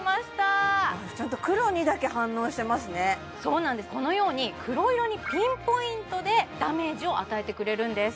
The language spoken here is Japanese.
あちゃんと黒にだけ反応してますねそうなんですこのように黒色にピンポイントでダメージを与えてくれるんです